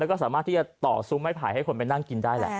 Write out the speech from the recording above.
แล้วก็สามารถที่จะต่อซุ้มไม้ไผ่ให้คนไปนั่งกินได้แหละ